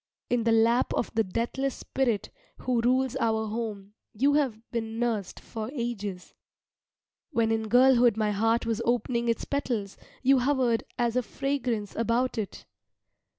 In the lap of the deathless Spirit who rules our home you have been nursed for ages. When in girlhood my heart was opening its petals, you hovered as a fragrance about it.